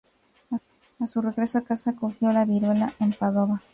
A su regreso a casa, cogió la viruela en Padova.